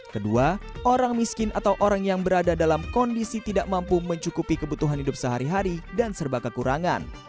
kedua orang miskin atau orang yang berada dalam kondisi tidak mampu mencukupi kebutuhan hidup sehari hari dan serba kekurangan